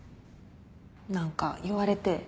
何か言われて。